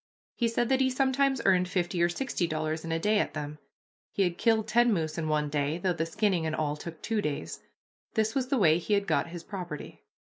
He said that he sometimes earned fifty or sixty dollars in a day at them; he had killed ten moose in one day, though the skinning and all took two days. This was the way he had got his property.